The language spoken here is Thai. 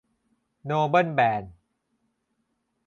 โนเบิลแบน